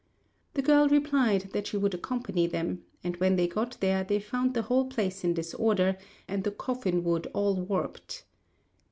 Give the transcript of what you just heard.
The girl replied that she would accompany them; and when they got there they found the whole place in disorder, and the coffin wood all warped.